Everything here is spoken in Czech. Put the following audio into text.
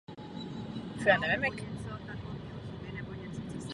Zde také upravoval díla jiných skladatelů pro provedení v tomto divadle.